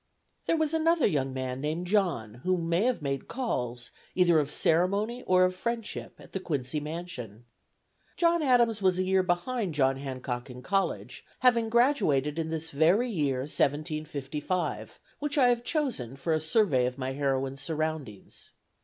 There was another young man named John, who may have made calls either of ceremony or of friendship at the Quincy mansion. John Adams was a year behind John Hancock in college, having graduated in this very year 1755, which I have chosen for a survey of my heroine's surroundings.